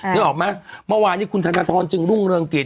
นึกออกไหมเมื่อวานนี้คุณธนทรจึงรุ่งเรืองกิจ